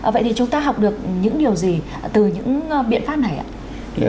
vậy thì chúng ta học được những điều gì từ những biện pháp này ạ